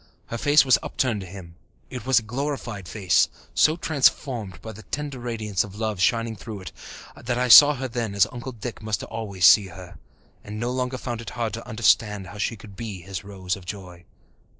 Her face was upturned to him; it was a glorified face, so transformed by the tender radiance of love shining through it that I saw her then as Uncle Dick must always see her, and no longer found it hard to understand how she could be his Rose of joy.